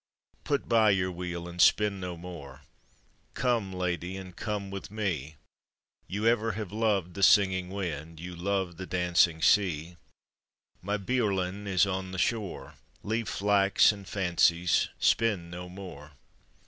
" Put by your wheel and spin no more, Come, lady, and come with me; You ever have loved the singing wind, You love the dancing sea; My biorlin is on the shore, Leave flax and fancies, spin no more."